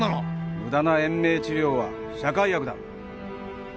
ムダな延命治療は社会悪だ